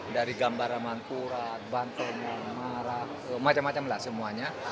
dari gambar raman pura bantunya marah macam macam lah semuanya